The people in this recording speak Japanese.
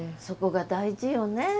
そこが大事よね